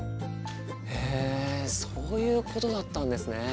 へえそういうことだったんですね。